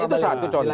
itu satu contoh